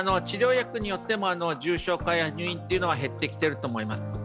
治療薬によっては重症化や入院は減ってきていると思います。